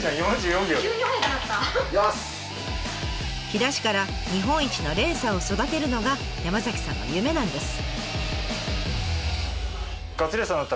飛騨市から日本一のレーサーを育てるのが山さんの夢なんです。